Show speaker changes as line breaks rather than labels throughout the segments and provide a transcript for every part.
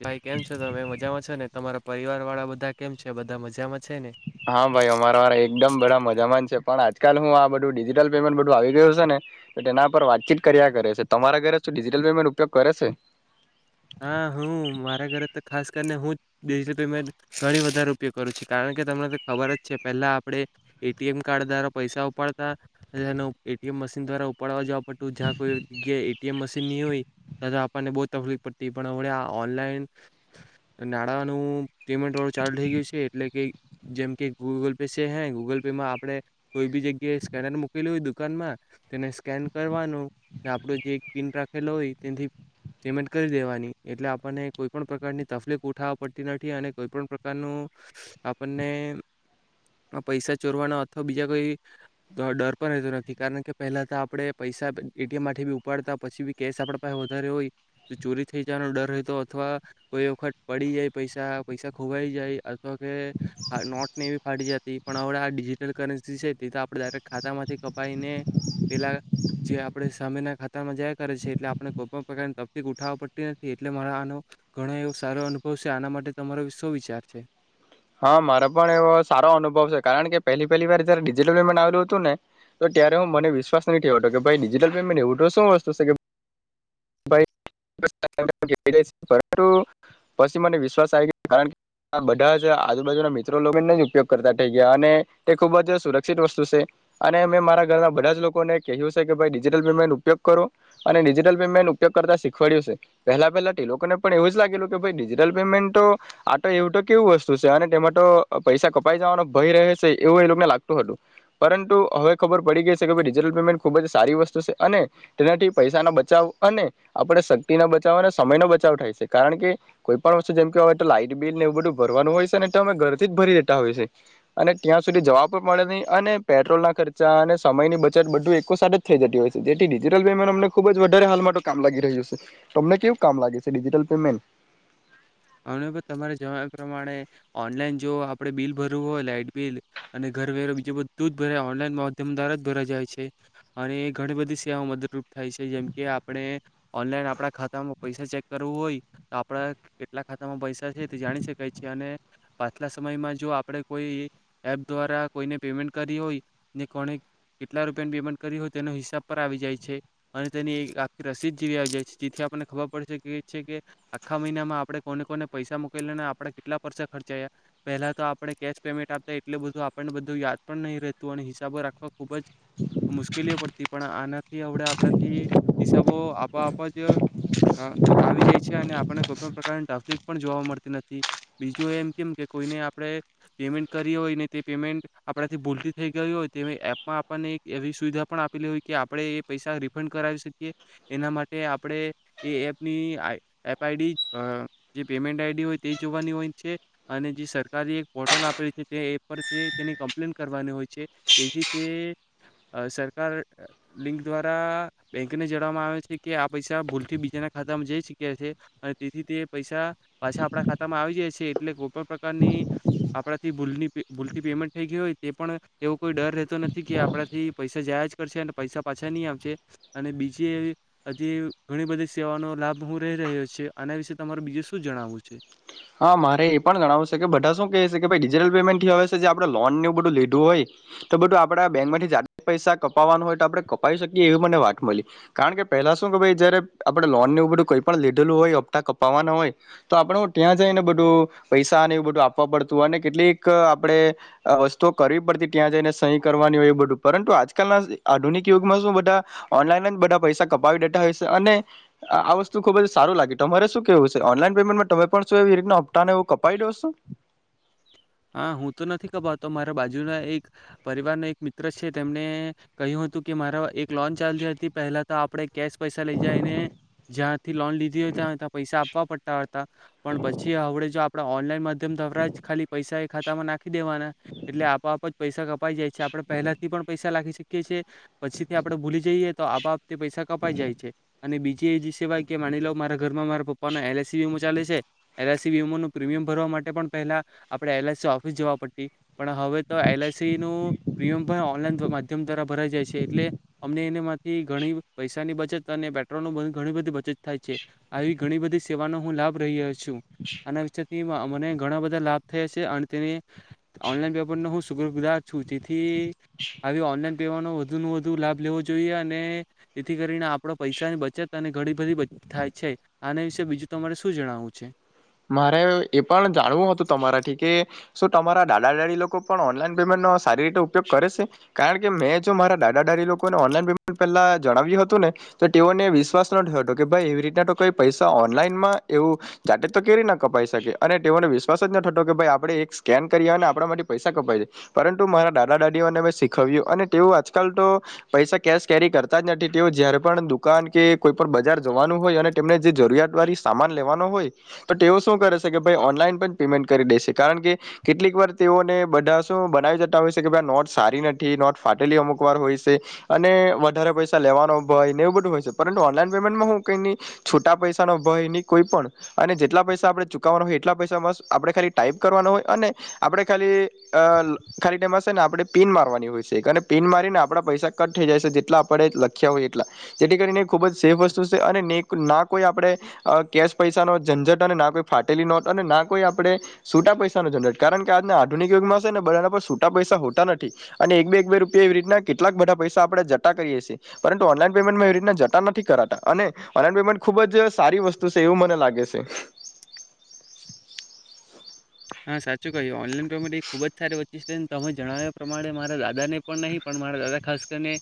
ભાઈ કેમ છો તમે મજામાં છો ને? તમારા પરિવાર વાળા બધા કેમ છે? બધા મજામાં છે ને?
હા ભાઈ અમારા વાળા એકદમ બધા મજામાંન છે પણ આજકાલ હું આ બધું ડિજિટલ પેમેન્ટ બધું આવી ગયું છે ને તો તેના પર વાતચીત કર્યા કરે છે. તમારા ઘરે શું ડિજિટલ પેમેન્ટ ઉપયોગ કરે છે?
હા હું મારા ઘરે તો ખાસ કરીને હું ડિજિટલ પેમેન્ટ ઘણી વધારે ઉપયોગ કરું છું. કારણ કે તમને ખબર જ છે પહેલા આપડે એ ટી એમ કાર્ડ દ્વારા પૈસા ઉપાડતા તેનો એ ટી એમ મશીન દ્વારા ઉપાડવા જવા પડતું જ્યાં કોઈ જગ્યાએ એ ટી એમ મશીન નહી હોય ત આપણને બહુ તકલીફ પડતી. તી પણ આવડે આ ઓનલાઈન નાણાંનું પેમેન્ટ વાળું ચાલુ થઈ ગયું છે. એટલે કે જેમ કે ગૂગલ પે છે. હે ગૂગલ પેમાં આપણે કોઈ બી જગ્યાએ સ્કેનર મૂકેલ હોય. દુકાનમાં તેને સ્કેન કરવાનું આપણો જે એક પિન રાખેલો હોય તેથી પેમેન્ટ કરી દેવાની એટલે આપણને કોઈ પણ પ્રકારની તકલીફ ઉઠાવવા પડતી નથી અને કોઈ પણ પ્રકારનું આપણને પૈસા ચોરવાનો અથવા બીજા કોઈ ડર પણ રહેતો નથી. કારણ કે પહેલા તો આપણે પૈસા એ ટી એમ માટેથી બી ઉપાડતા પછી બી કેશ આપન પાસે વધારે હોય ચોરી થઈ જવાનો ડર રહેતો અથવા કોઈ વખત પડી જાય પૈસા પૈસા ખોવાઈ જાય અથવા કે નોટને એવી ફાડી જતી પણ હવે આ ડિજિટલ કરન્સી છે તે તો આપણે ડાયરેક્ટ ખાતામાંથી કપાઈને પેલા જે આપણે સામેના ખાતામાં જયા કરે છે એટલે આપણે કોઈ પણ પ્રકારની તા તકલીફ ઉઠાવવા પડતી નથી. એટલે મારા આનો ઘણો એવો સારો અનુભવ છે. આના માટે તમારો શો વિચાર છે?
હા મારો પણ એવો સારો અનુભવ છે કારણ કે પહેલી પહેલી વાર જયારે ડિજિટલ પેમેન્ટ આવેલું હતું ને તો ત્યારે હું મને વિશ્વાસ નથી થયો હતો કે ભાઈ ડિજિટલ પેમેન્ટ એવું તો શું વસ્તુ છે કે [inaudible] પરંતુ પછી મને વિશ્વાસ આવી ગયો કારણ કે બધા જ આજુબાજુના મિત્રો લોકોને ન ઉપયોગ કરતા થઈ ગયા અને તે ખુબ જ સુરક્ષિત વસ્તુ છે અને મેં મારા ઘરના બધા જ લોકોને કહ્યું છે કે ભાઈ ડિજિટલ પેમેન્ટ ઉપયોગ કરો અને ડિજિટલ પેમેન્ટ ઉપયોગ કરતા શીખવાડ્યું છે. પહેલા પહેલા તો લોકોને પણ એવું જ લાગેલું કે ભાઈ ડિજિટલ પેમેન્ટ તો આટ એવું તો કેવું વસ્તુ છે અને તેમાં તો પૈસા કપાઈ જવાનો ભય રહે છે. એવું એ લોકોને લાગતું હતું પરંતુ હવે ખબર પડી ગઈ છે કે ભ ડિજિટલ પેમેન્ટ ખુબ જ સારી વસ્તુ છે અને તેનાથી પૈસાનો બચાવ અને આપણે શક્તિ ના બચાવો અને સમય નો બચાવ થાય સે કારણ કે કોઈ પણ વસ્તુ જેમ કેય તો લાઈટ બિલ ને એવું બધું ભરવાનું હોય સે ને એ અમે ઘરથી જ ભરી દેતા હોય છે અને ત્યાં સુધી જવા પણ પળે નહીં અને પેટ્રોલના ખર્ચા અને સમયની બચત બધું એકકો સાથે જ થઈ જતી હોય છે. જેથી ડિજિટલ પેમેન્ટ અમને ખુબ જ વધારે હાલ મા તો કામ લાગી રહ્યું સે. તમને કેવું કામ લાગે છે ડિજિટલ પેમેન્ટ?
અમને પણ તમારે જવા પ્રમાણે ઓનલાઈન જો આપડે બિલ ભરવું હોય લાાઈટ બિલ અને ઘર વેરો બીજું બધું જ ભરે ઓનલાઈન માધ્યમ દ્વારા જ ભરા જાય છે અને ઘણી બધી સેવાઓ મદદ રૂપ થાય છે. જેમ કે આપણે ઓનલાઈન આપણા ખાતામાં પૈસા ચેક કરવું હોય આપડે આટલા ખાતામાં પૈસા છે. તે જાણી શકાય છે અને પાછલા સમયમાં જો આપણે કોઈ એપ દ્વારા કોઈને પેમેન્ટ કરી હોય ને કોણે કેટલા રૂપિયાની પેમેન્ટ કરી હોય તેના હિસાબ પર આવી જાય છે. અને તેની એક આખી રસીદ જેવી આવી જાય છે. જેથી આપણને ખબર પડી શકે એ છે કે આખા મહિનામાં આપણે કોને કોને પૈસા મુકેલા ને આપણે કેટલા પૈસા ખર્ચાયા પહેલા તો આપણે કેશ પેમેન્ટ આપતા એટલે બધું આપણને બધું યાદ પણ નહી રહેતું અને હિસાબો રાખવા ખુબ જ મુશ્કેલીઓ પડતી. પણ આનાથી હવડે આપણાથી હિસાબો આપઆપ જ આવી જાય છે અને આપણે કોઈ પણ પ્ર કાર ટ્રાફ્લિક પણ જોવા મળતી નથી બીજું એમ કેમ કે કોઈને આપણે પેમેન્ટ કરી હોય ને તે પેમેન્ટ આપણાથી ભૂલતી થઈ ગઈ હોય તે એપમાં આપણને એક એવી સુવિધા પણ આપેલી હોય કે આપણે એ પૈસા રિફંડ કરાવી શકીએ એના માટે આપણે એ એપની આ એપ આઈડી અ જે પેમેન્ટ આઈડી હોય તે જોવાની હોય છે અને જે સરકારી એક પોર્ટલ આપેલી છે તે એપ પર તે તેની કમ્પ્લેન કરવાની હોય છે તેથી તે સરકાર અ લિંક દ્વારા બેંકને જણવામાં આવે છે કે આ પૈસા ભૂલથી બીજાના ખાતામાં જઈ શક્યા છે અને તેથી તે પૈસા પાછા આપણા ખાતામાં આવી જાય છે એટલે ગુ કોઈ પણ પ્રકારની આપણાથી ભૂલની પે ભૂલથી પેમેન્ટ થઈ ગઈ હોય તે પણ એવો કોઈ ડર રહેતો નથી કે આપણાથી પૈસા જાયા જ કરશે અને પૈસા પાછા ની આવશે અને બીજી એ હજી ઘણી બધી સેવાઓનો લાભ હું રહી રહ્યો છે. આના વિશે તમારે બીજું શું જણાવવું છે.
હા મારે એ પણ ગણાવું છે કે બધા શું કહે છે કે ડિજિટલ પેમેન્ટ થી હવે જે આપડણે લોન ને એવુ બધું લીધું હોય તો બધું આપડા બેંકમાંથી જા પૈસા કપાવાના હોય તો આપડણે કપાવી શકીએ એવી મને વાત મળી કારણ કે પેલા શું કે ભઈ જયારે આપણે લોનને એવું બધું કઈ પણ લીધેલું હોય હપતા કપાવાના હોય તો આપણે હુ ત્યાં જઈને બધું પૈસા અને એવું બધું આપવા પડતું અને કેટલીક આપડે વસ્તુઓ કરવી પડતી ત્યાં જઈને સહી કરવાની હોય એવું બધું પરંતુ આજકાલના આધુનિક યુગમાં શું બધા ઓનલાઈન જ બધા પૈસા કપાવી દેતાા હોય છે અને આ વસ્તુ ખુબ જ સારું લાગે તમારે શું કેવું છે ઓનલાઈન પેમેન્ટમાં તમે પણ શું એ રીતના હપ્તા ને એવું કપાઈ દો છો?
આહ હું તો નથી કપાતો મારા બાજુના એક પરિવાર ન એક મિત્ર છે તેમને કહ્યું હતું કે મારા એક લોન ચાલતી હતી પહેલા તો આપ કેશ પૈસા લઈ જાય ને જ્યાંથી લોન લીધી હોય ત્યા ત્યાં પૈસા આપ આપવા પડતા હતા. પણ પછી હવડે જો આપ આપડા ઓનલાઈન માધ્યમ દ્વારા જ ખાલી પૈસા એ ખાતામાં નાખી દેવાના એટલે આપોઆપ જ પૈસા કપાઈ જાય છે આપણે પહેલાથી પણ પૈસા નાખી શકી કે છે. પછીથી આપડે ભૂલી જઈએ તો આપ આપ તે પૈસા કપાઈ જાય છે. અને બીજી જે સિવાય કે માની લો મારા ઘરમાં મા પપ્પાનો એલ આઈ સી વીમો ચાલે છે એલ આઈ સી વીમોનું પ્રીમિયમ ભરવા માટે પણ પહેલા આપડે એલ આઈ સી ઓફિસ જવા પડતી પણ હવે તો એલ આઈ સી નું પ્રીમિયમ પણ ઓનલાઈન થવા મા માધ્યમ દ્વારા ભરાઈ જાય છે એટલે અમને એનામાંથી ઘણી પૈસાની બચત અને પેટ્રોલ નુ ઘણી બધી બચત થાય છે આવી ઘણી બધી સેવાનો હું લાભ રહીયો છુ. છુ આના વિશેથી હુ આ મને ઘણા બધા લાભ થયા છે અને તેની ઓનલાઈન પેમેન્ટનો હુ શુક્રગુજાર છું તેથી તેથી આવી ઓનલાઈન વાનો વધુ ને વધુ લાભ લેવો જોઈએ અને જેથી કરીને આપડ પૈસાની બચત અને ઘણી બધી બ થાય છે આના વિશે બીજું તમારે શું જણાવું છે
મારે એ પણ જાણવું હતું તમારાથી કે શું તમારા દાદા દાડી લોકો પણ ઓનલાઈન પેમેન્ટ નો સારી રીતે ઉપયોગ કરે છે કારણ કે મેં જો મારા દાદા દાડી લોકોને ઓનલાઈન પેમેન્ટ પહેલા જણાવ્યું હતું ને તો તેઓને વિશ્વાસ નયો હતો કે ભાઈ એવી રીતના કઈ પૈસા ઓનલાઈનમાં એવું જા તો કે રીના કપાઈ શકે અને તેઓને વિશ્વાસ જ નઠતો કે ભાઈ આપણે એક સ્કેન કરીએ અને આપણા માટે પૈસા કપાય છે પરંતુ મારા દાદા દાદીઓને મેં શીખવ્યું અને તેઓ આજકાલ તો પૈસા કેશ કેરી કરતા જ નથી તેઓ જ્યારે પણ દુકાન કે કોઈપ બજાર જવાનું હોય અને તેમને જે જરૂરિયાતવાળી સામાન લેવાનો હોય તો તેઓ શું કરે છે કે ભાઈ ઓનલાઈન પણ પેમેન્ટ કરી દેશે કારણ કે કેટલીક વાર તેઓને બધા શું બનાવી જતા હોય છે કે ભાઈ આ નોટ સારી નથી નોટ ફાટેલી અમુક વાર હોય છે અને વધારે પૈસા લેવાનો ભય ને એવું બધું હોય છે પરંતુ ઓનલાઈન પેમેન્ટમાં હું કઈ ન છૂટા પૈસા ન ભય નહી કોઈ પણ અને જેટલા પૈસા આપણે ચુકવાના હોય એટલા પૈસા આપણે ખાલી ટાઈપ કરવાનો હોય અને આપડણે ખાલી ખાલી ટાઈમશે ને આપણે પીન મારવાની હોય છે પીન મારીને આપણા પૈસા કટ થઈ જાય છે જેટલા આપણે લખ્યા હોય એટલા જેથી કરીને ખૂબ જ સેફ વસ્તુ છે અને ના કોઈ આપણે કેશ પૈસાનો ઝટ અને ના કોઈ ફાટેલી નોટ અને ના કોઈ આપણે સૂટા પૈસાનો ઝંઝટ કારણ કે આજના આધુનિક યુગમાં છે ને બધાના પર સૂટા પૈસા હોતા નથી અને એક બે એક બે રૂપિયા એવી રીતના કેટલાક બધા પૈસા આપણે જટા કરીએ છીએ પરંત ઓનલાઈન પેમેન્ટમાં એવી રીતના જટા નથી કરાતા અને ઓનલાઈન પેમેન્ટ ખુબ જ સારી તેવું મને લાગે શે
હા સાચું કહ્યું ઓનલાઈન પેમેન્ટ એ ખુબ જ સારી વચ્ચી છેને તમે જણાવ્યા પ્રમાણે મારા દાદાને પણ નહીં પણ મારા દાદા ખાસ તમને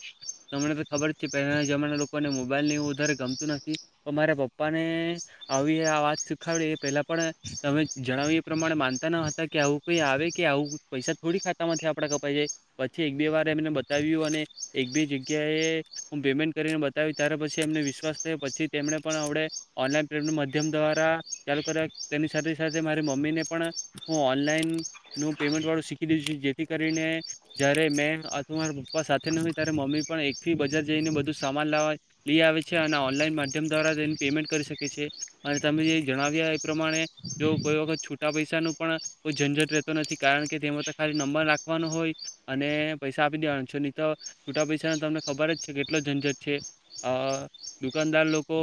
તો ખબર છે પહેલા જમાના લોકોને મોબાઈલ ને વધારે ગમતું નથી પણ મારા પપ્પા ને આવી આ વાત શીખાવડ એ પહેલા પણ તમે જણાવી પ્રમાણે માનતા ન હતા કે આવું કંઈ આવે કે આવું પૈસા થોડી ખાતામાંથી આપણે કપાઈ જાય પછી એક બે વાર એમને બતાવ્યું અને એક બે જગ્યાએ હું પેમેન્ટ કરીને બતાવી ત્યારે પછી એમને વિશ્વાસ થયો પછી તેમણે પણ આપડણે ઓનલાઈન પેમેન્ટ માધ્યમ દ્વારા ચાલુ કર્યા તેની સાથે સાથે મારી મમ્મીને પણ હું ઓનલાઈનનું પેમેન્ટ વાળું શીખી દીધું છ જેથી કરીને જ્યારે મેં અથ મારા પપ્પા સાથે નય ત્યારે મમ્મી પણ એકથી બજાર જઈને બધું સામાન લાવવા લઈ આવે છે અને ઓનલાઈન માધ્યમ દ્વારા તેની પેમેન્ટ કરી શકે છે અને તમે જે જણાવ્યા એ પ્રમાણે જો કોઈ વખત છૂ છૂટા પૈસા ન પણ કોઈ ઝંઝટ રહેતો નથી કારણ કે તેમાં તો ખાલી નંબર નાખવાનો હોય અને પૈસા આપી દેવાનો છે નહી તો છૂટા પૈસાનો તમને ખબર જ છે કેટલો ઝંઝટ છે અ દુકાનદાર લોકો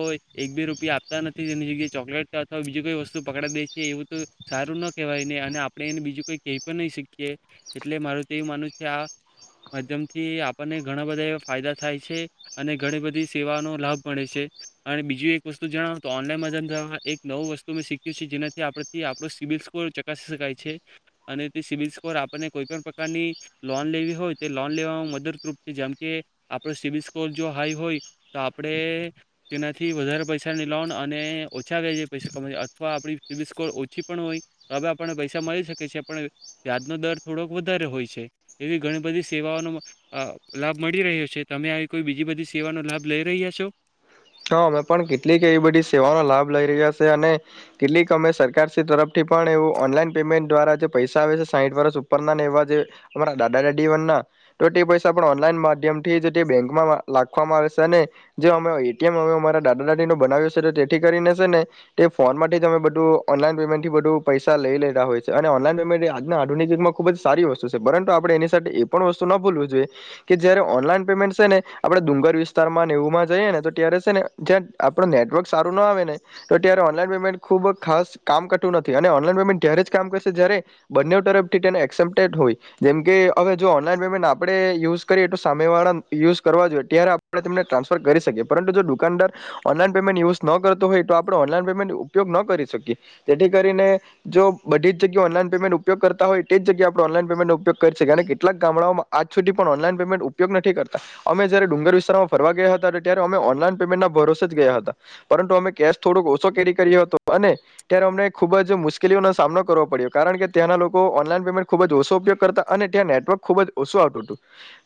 એક બે રૂપિયા આપતા નથી તેની જગ્યાએ ચોકલેટ અથવા બીજી કોઈ વસ્તુ પકડાડી દે છે એવું તો સારું ન કહેવાયને અને આપણે એને બીજું કોઈ કઈ પણ નહી શીખીએ એટલે મારું તો એવું માનુંવ છે કે આ માધ્યમથી આપણને ઘણા બધા ફાયદા થાય છે અને ઘણી બધી સેવાનો લાભ મળે છે અને બીજું એક વસ્તુ જણાવો તો ઓનલાઈન માધ્યમ દ્વા એક નવું વસ્તુ મેં શીખ્યું છે જેનાથી આપણેથી આપણો સિવિલ સ્કોર ચકાસી શકાય છે અને તે સિવિલ સ્કોર આપણને કોઈપણ પ્રકારની લોન લેવી હોય તે લોન લેવામાં મદદરૂપ છે જેમ કે આપણો સિવિલ સ્કોર જો હાઈ હોય તો આપણે તેનાથી વધારે પૈસાની લોન અને ઓછા જે પૈસા કમા અથવા આપણી સિવિલ સ્કોર ઓછી પણ હોય તો હવે આપણને પૈસા મળી શકે છે આપ વ્યાજનો દર થોડોક વધારે હોય છે એવી ઘણી બધી સેવાઓનો લાભ અ મળી રહ્યો છે. તમે આવી કોઈ બીજી બધી સેવાનો લાભ લઈ રહ્યા છો?
હા અમે પણ કેટલીક એવી બધી સેવાનો લાભ લઇ રહ્યા છે અને કેટલીક અમે સરકારી તરફથી પણ એવ ઓનલાઈન પેમેન્ટ દ્વારા જે પૈસા આવે છે સાહીઠ વર્ષ ઉપરના એવા જે અમારા દાદા દાદી વ ના તો તે પૈસા પણ ઓનલાઈન માધ્યમ થી જ તે બેંકમાં લખવામાં આવે છે અને જે અમે એમ અમે અમારા દાદા દાદી ન બનાવ્યો છે તો તેથી કરીને છે ને તે ફોનમાંથી અમે બધું ઓનલાઈન પેમેન્ટ થી બધું પૈસા લઈ લેતા હોય છે અને ઓનલાઈન પેમેન્ટ આજના આધુિકયુગમાં ખૂબ જ સારી વસ્તુ છે પરંતુ આપણે એની સાથે એ પણ વસ્તુ ન ભૂલવું જોઈએ કે જયારે ઓનલાઈન પેમેન્ટ છે ને આપણે ડુંગર વિસ્તારમાં ને એવુંમાં જઈએ ને તો ત્યારે છે ને જ્યાં આપણું નેટવર્ક સારું ન આવે ને તો ત્યારે ઓનલાઈન પેમેન્ટ ખૂબ ખાસ કામ કરતું નથી અને ઓનલાઈન પેમેન્ટ જ્યારે જ કામ કરશે જ્યારે બંને તરફથી તેને એક્સેપ્ટેડ હોય જેમકે હવે જો ઓનલાઈન પેમેન્ટ આપણે યુઝ કરીએ તો સામેવાળા યુઝ કરવા જોઈએ ત્યારે આપણે તેમને ટ્રાન્સફર કરી શકીએ. પરંતુ જો દુકાનદાર ઓનલાઈન પેમેન્ટ યુઝ ન કરતો હોય તો આપણે ઓનલાઈન પેમેન્ટ ઉપયોગ ન કરી શકીએ તેથી કરીને જો બધી જગ્યા ઓનલાઈન પેમેન્ટ ઉપયોગ કરતા હોય તે જગ્યા આપણે ઓનલાઈન પેમેન્ટનો ઉપયોગ કરી શકીએ અને કેટલાક ગામડાઓમાં આજ સુધી પણ ઓનલાઈન પેમેન્ટ ઉપયોગ નથી કરતા. અમે જ્યારે ડુંગર વિસ્તારમાં ફરવા ગયા હતા ત્યારે અમે ઓનલાઈન પેમેન્ટના ભરોસે જ ગયા હતા પરંતુ અમે કેશ થોડોક ઓછો કેરી કર્યો હતો અને ત્યારે અમને ખૂબ જ મુશ્કેલીઓનો સામનો કરવો પડ્યો કારણ કે ત્યાંના લોકો ઓનલાઈન પેમેન્ટ ખૂબ જ ઓછો ઉપયોગ કરતા અને ત્યાં નેટવર્ક ખૂબ જ ઓછું આવટું હતું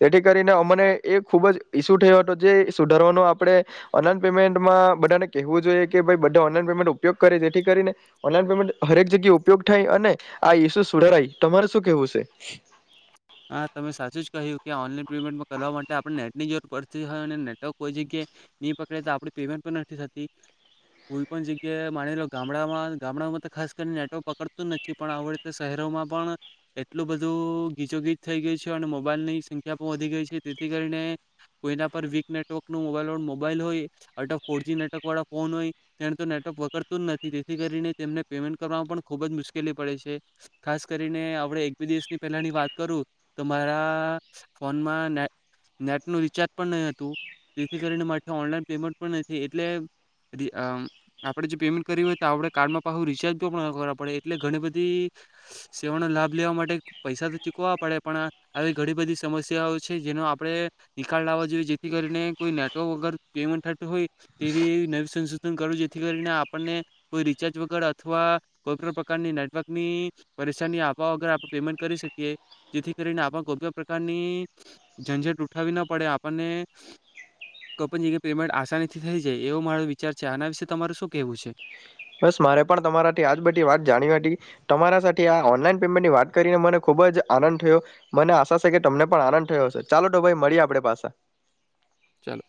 તેથી કરીને અમને એ ખૂબ જ ઈસ્યુ થયો હતો જે સુધારવાનો આપણે ઓનલાઈન પેમેન્ટમાં બધાને કેવું જોઈએ કે બધા ઓનલાઈન પેમેન્ટ ઉપયોગ કરે જેથી કરીને ઓનલાઈન પેમેન્ટ હરેક જગ્યા ઉપયોગ થાય અને આ ઇસુ સુધારાય તમારે શું કેવું છે?
હા તમે સાચું જ કહ્યું ઓનલાઈન પેમેન્ટ કરવા માટે આપણે નેટની જરૂર પડતી હોય અને નેટવર્ક કોઈ જગ્યાએ નહી પકડે તો આપ પેમેન્ટ પણ નથી થતી કોઈ પણ જગ્યાએ માની લો ગામડામાં ગામડામાં તો ખાસ કરીને નેટવર્ક પકડતું જ નથી પણ આવડતે શહેરોમાં પણ એટલું બધું ગીચોગીચ થઈ ગઈ છે અને મોબાઈલની સંખ્યા પણ વધી ગઈ છે તેથી કરીને કોઈના પર વીક નેટવર્ક ન મોબાઈલળું મોબાઈલ હોય અટ ફોર જ નેટવર્ક વાળા ફોન હોય તેને તો નેટવર્ક વકરતું જ નથી તેથી કરીને તેમને પેમેન્ટ કરવામાં પણ ખૂબ જ મુશ્કેલી પડે છે. ખાસ કરીને આપણે એક બે દિવસની પહેલાની વાત કરું તો મારા ફોનમાં ને નેટ નું રિચાર્જ પણ નહી હતું જેથી કરીને મારી ઓનલાઈન પેમેન્ટ પણ નહી એટલે આપણે જે પેમેન્ટ કરવી હોય તો આપણે કાર્ડમાં પાછું રિચાર્જ કરવા પડે એટલે ઘણી બધી સેવાનો લાભ લેવા માટે પૈસા તો ચૂકવવા પડે પણ આવી ઘણી બધી સમસ્યાઓ છે જેનો આપણે નિકાલ લાવવા જોઈએ જેથી કરીને કોઈ નેટવર્ક વગર પેમેન્ટ થતું હોય તેવી નવી સંશોધન કરું જેથી કરીને આપણને કોઈ રીચાર્જ વગર અથવા કોઈ પણ પ્રકારની નેટવર્કની પરેશાની આપવા વગર આપણે પેમેન્ટ કરી શકીએ જેથી કરીને આપને કોઈ પણ પ્રકારની ઝંઝટ ઉઠાવી ના પડે આપણને કોઈ પણ જગ્યા પેમેન્ટ આસાનીથી થઈ જાય એવો મારો વિચાર છે, આના વિશે તમાર શું કેહેવું છે?
બસ મારે પણ તમારાથી આજ બધી વાત જાણવી હતી તમારા સાથે આ ઓનલાઈન પેમેન્ટની વાત કરીને મને ખુબ જ આનંદ થયો મને આશા છે કે તમને પણ આનંદ થયો હશે ચાલો તો ભાઈ મળીએ આપણે પાસા.
ચાલો.